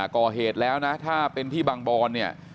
ก่อเหตุแล้วนะถ้าเป็นที่บางบอนเนี่ย